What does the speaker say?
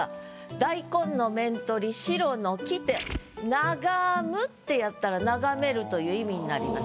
「大根の面取りシロの来て眺む」ってやったら「眺める」という意味になります。